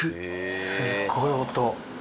すっごい音。